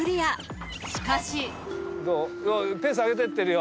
［しかし］ペース上げてってるよ。